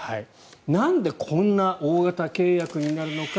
なんでこんな大型契約になるのか。